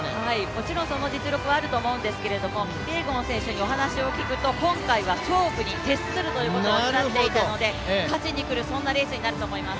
もちろんその実力はあると思うんですが、キピエゴン選手にお話を聞くと今回は勝負に徹するということをおっしゃっていたので、勝ちに来る、そんなレースになると思います。